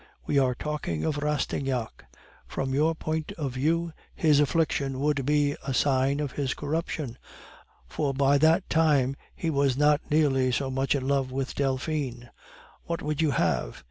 We were talking of Rastignac. From your point of view his affliction would be a sign of his corruption; for by that time he was not nearly so much in love with Delphine. What would you have?